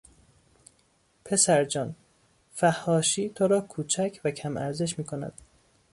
پسرجان فحاشی تو را کوچک و کم ارزش میکند!